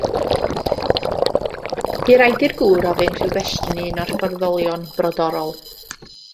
Bu raid i'r gŵr ofyn rhyw gwestiwn i un o'r fforddolion brodorol.